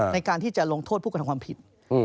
ในการที่จะลงโทษผู้กำลังผิด